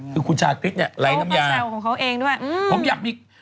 คือคุณชาติคิดเนี่ยไร้น้ำยาเขามาแซวของเขาเองด้วย